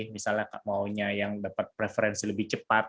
misalnya maunya yang dapat preferensi lebih cepat